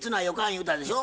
言うたでしょ？